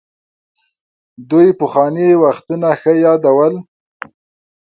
دوی پخواني وختونه ښه يادول.